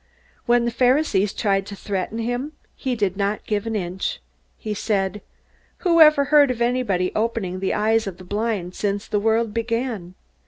When the Pharisees tried to threaten him, he did not give an inch. He said: "Who ever heard of anyone opening the eyes of the blind since the world began?